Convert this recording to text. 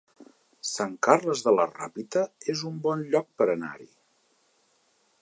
Sant Carles de la Ràpita es un bon lloc per anar-hi